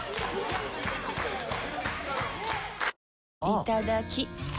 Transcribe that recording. いただきっ！